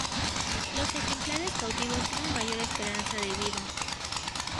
Los ejemplares cautivos tienen mayor esperanza de vida.